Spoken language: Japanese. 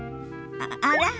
あら？